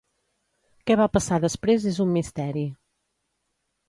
Què va passar després és un misteri.